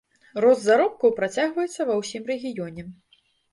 Рост заробкаў працягваецца ва ўсім рэгіёне.